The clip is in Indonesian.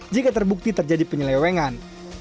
jika terbukti terjadi penyelewengan